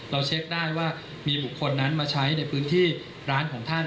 เช็คได้ว่ามีบุคคลนั้นมาใช้ในพื้นที่ร้านของท่าน